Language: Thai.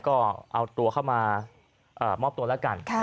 ก็เอาตัวเข้ามามอบตัวแล้วกัน